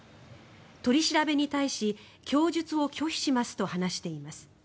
取り調べに対し供述を拒否しますと話しています。